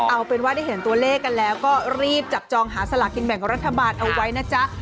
เอาเป็นว่าได้เห็นตัวเลขกันแล้วก็รีบจับจองหาสลากินแบ่งรัฐบาลเอาไว้นะจ๊ะ